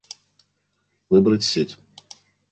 Выбрать сеть